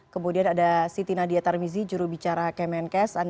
kemudian ada siti nadia tarmizi jurubicara kemenkes